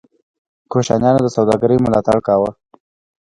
کوشانیانو د سوداګرۍ ملاتړ کاوه